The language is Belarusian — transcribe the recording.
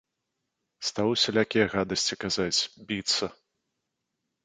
Стаў усялякія гадасці казаць, біцца.